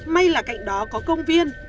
may là cạnh đó có công viên